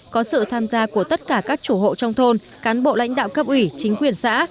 có sự tham gia của tất cả các chủ hộ trong thôn cán bộ lãnh đạo cấp ủy chính quyền xã